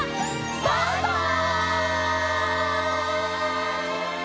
バイバイ！